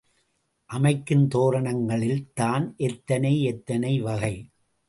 அமைக்கும் தோரணங்களில் தான் எத்தனை எத்தனை வகை.